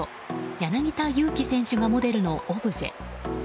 柳田悠岐選手がモデルのオブジェ。